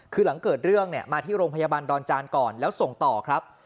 คือหลังเกิดเรื่องเนี่ยมาที่โรงพยาบาลดอนจานก่อนแล้วส่งต่อครับ